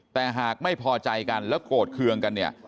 แต่หากไม่พอใจกันแล้วโกรธเคืองกันเนี่ย